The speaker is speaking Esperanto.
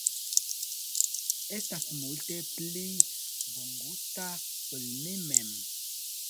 Estas multe pli bongusta ol mi mem